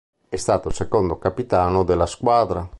È stato il secondo capitano della squadra.